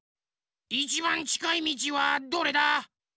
いちばんちかいみちはどれだ？